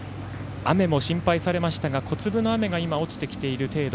雨も心配されましたが小粒の雨が今、落ちてきている程度。